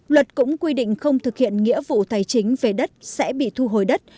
luật cũng quy định không thực hiện nghĩa vụ tài chính về đất sẽ bị thu hồi đất